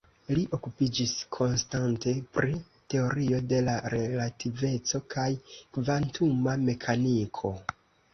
Li okupiĝis konstante pri Teorio de la relativeco kaj kvantuma mekaniko.